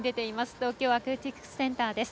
東京アクアティクスセンターです。